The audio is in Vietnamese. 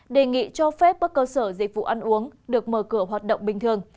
đề nghị cho phép các cơ sở dịch vụ ăn uống được mở cửa hoạt động bình thường